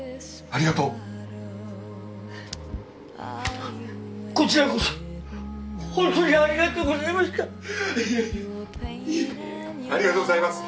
ありがとうございます。